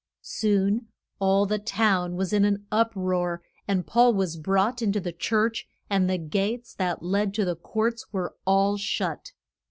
Soon all the town was in an up roar, and Paul was brought in to the church, and the gates that led to the courts were all shut.